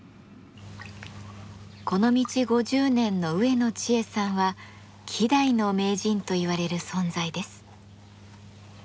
この道５０年の植野知恵さんは希代の名人といわれる存在です。